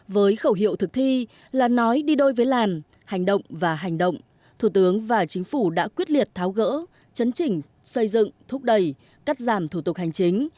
với khẩu hiệu thực thi là nói đi đôi với làn hành động và hành động thủ tướng và chính phủ đã quyết liệt tháo gỡ chấn chỉnh xây dựng thúc đẩy cắt giảm thủ tục hành chính